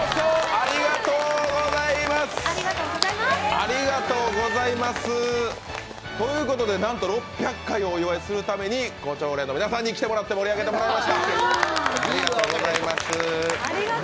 ありがとうございます！ということでなんと６００回をお祝いするために胡蝶蓮の皆さんに来てもらって盛り上げてもらいました、ありがとうございます。